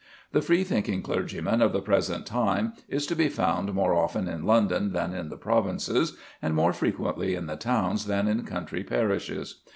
The free thinking clergyman of the present time is to be found more often in London than in the provinces, and more frequently in the towns than in country parishes.